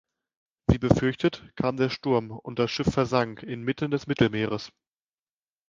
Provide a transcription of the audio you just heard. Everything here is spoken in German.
Wie befürchtet, kam der Sturm und das Schiff versank inmitten des Mittelmeeres.